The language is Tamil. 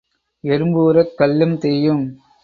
எறும்பு ஊரக் கல்லும் தேயும்.